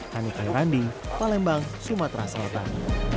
hanifah randi palembang sumatera selatan